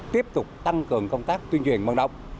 tiếp tục tăng cường công tác tuyên truyền vận động